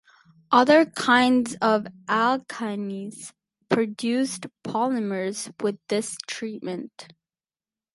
Other kinds of alkynes produced polymers with this treatment.